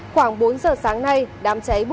khoảng bốn giờ sáng nay đám cháy bủ